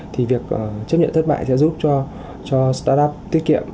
thì việc chấp nhận thất bại sẽ giúp cho start up tiết kiệm